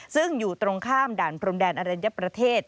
ซึ่งอยู่ตรงข้ามด่านพรมแดนอรัญญประเทศ